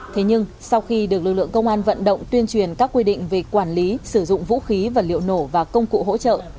thế nhưng sau khi được lực lượng công an vận động tuyên truyền các quy định về quản lý sử dụng vũ khí vật liệu nổ và công cụ hỗ trợ